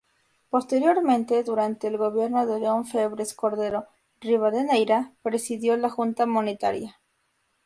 Posteriormente, durante el gobierno de León Febres-Cordero Ribadeneyra, presidió la Junta Monetaria.